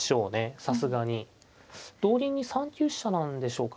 同銀に３九飛車なんでしょうか。